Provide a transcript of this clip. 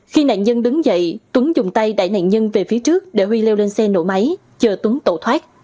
khi nạn nhân đứng dậy tuấn dùng tay đẩy nạn nhân về phía trước để huy leo lên xe nổ máy chờ tuấn tẩu thoát